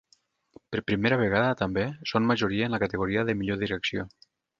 Per primera vegada, també, són majoria en la categoria de Millor direcció.